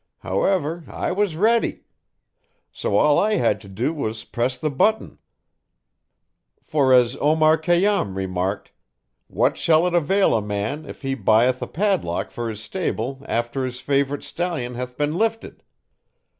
However, I was ready; so all I had to do was press the button, for as Omar Khayyam remarked: 'What shall it avail a man if he buyeth a padlock for his stable after his favourite stallion hath been lifted?'